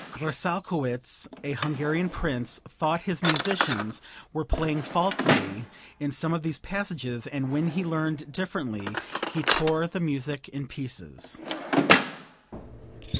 Grassalkowitsch, a Hungarian prince, thought his musicians were playing faultily in some of these passages, and when he learned differently he tore the music in pieces.)